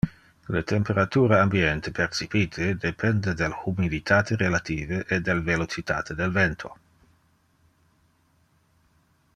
Le temperatura ambiente percipite depende del humiditate relative e del velocitate del vento.